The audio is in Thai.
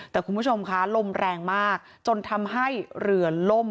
แต่คุณผู้ชมคะลมแรงมากจนทำให้เรือล่ม